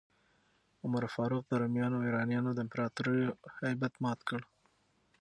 عمر فاروق د رومیانو او ایرانیانو د امپراتوریو هیبت مات کړ.